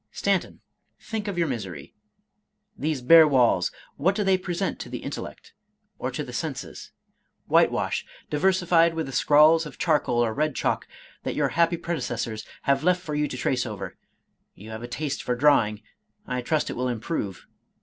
Stanton, think of your misery. These bare walls — ^what do they present to the intellect or to the senses ?— 195 Irish Mystery Stories Whitewash, diversified with the scrawls of charcoal or red chalk, that your happy predecessors have left for you to trace over. You have a taste for drawing — I trust it will improve.